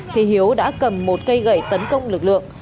thì hiếu đã cầm một cây gậy tấn công lực lượng